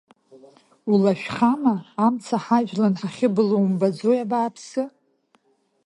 Улашәхама, амца ҳажәлан хахьбылуа умбаӡои, абааԥсы?